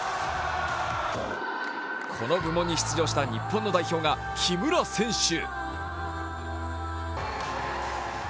この部門に出場した日本の代表が木村選手。